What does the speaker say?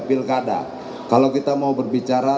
pilkada kalau kita mau berbicara